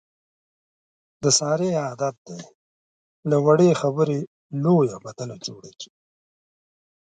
د سارې عادت دی، له وړې خبرې لویه بدله جوړه کړي.